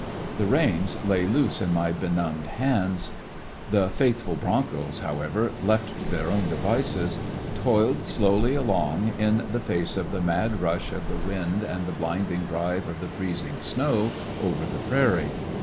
The reins lay loose in my benumbed hands. The faithful broncos, however, left to their own devices, toiled slowly along in the face of the mad rush 33 ^ecoClections of a of the wind and the blinding drive of the freezing snow over the prairie.